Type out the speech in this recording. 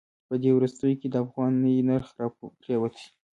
په دې وروستیو کې د افغانۍ نرخ راپریوتی.